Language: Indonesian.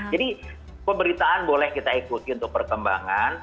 jadi pemberitaan boleh kita ikuti untuk perkembangan